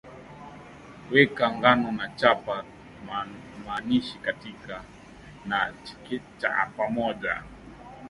weka ngano na chapa manaashi katika na chekecha pamoja